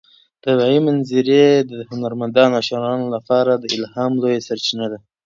طبیعي منظرې د هنرمندانو او شاعرانو لپاره د الهام لویه سرچینه ده.